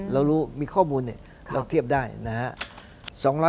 เรารู้มีข้อมูลเนี่ยเราเทียบได้นะครับ